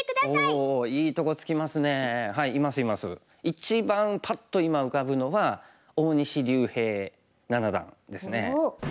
一番パッと今浮かぶのは大西竜平七段ですね。